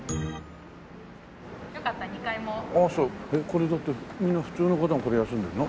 これだってみんな普通の方もここで休んでるの？